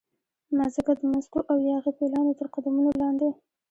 مځکه د مستو او یاغي پیلانو ترقدمونو لاندې